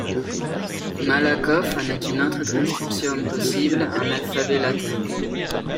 Malakoff en est une autre transcription possible en alphabet latin.